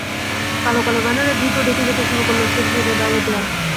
কালো কালো ব্যানারে দ্রুত ঢেকে যেতে শুরু করল স্মৃতিসৌধের বাইরের দেয়াল।